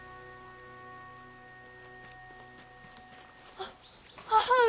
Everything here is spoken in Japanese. あっ母上。